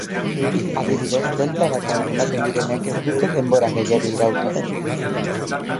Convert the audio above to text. Adibidez delta batean ematen direnek ez dute denbora gehiegi irauten.